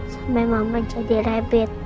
sampai mama jadi rabbit